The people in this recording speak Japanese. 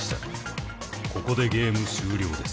ここでゲーム終了です。